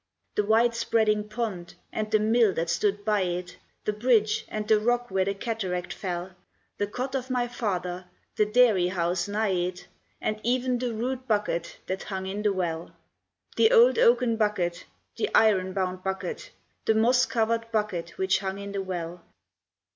The wide spreading pond, and the mill that stood by it, The bridge, and the rock where the cataract fell, The cot of my father, the dairy house nigh it, And e'en the rude bucket that hung in the well The old oaken bucket, the iron bound bucket, The moss covered bucket which hung in the well.